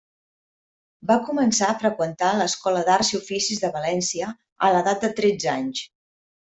Va començar a freqüentar l'Escola d'Arts i Oficis de València a l'edat de tretze anys.